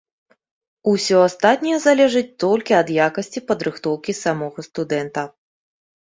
Усе астатняе залежыць толькі ад якасці падрыхтоўкі самога студэнта.